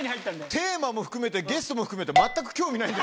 テーマも含めてゲストも含めて全く興味ないんですけど。